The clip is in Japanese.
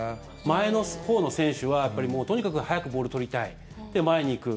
前のほうの選手はとにかく早くボール取りたいで、前に行く。